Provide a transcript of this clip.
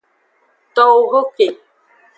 Towo ho ke.